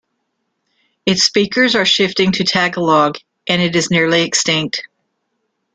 Its speakers are shifting to Tagalog, and it is nearly extinct.